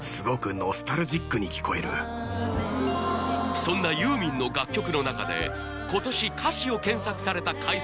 そんなユーミンの楽曲の中で今年歌詞を検索された回数